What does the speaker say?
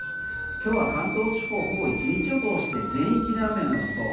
今日は関東地方ほぼ１日を通して全域で雨の予想。